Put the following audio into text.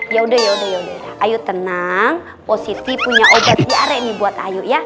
ya udah ya udah ya udah ayo tenang posisi punya obat tiare dibuat ayo ya